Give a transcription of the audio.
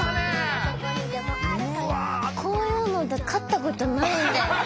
こういうので勝ったことないんで。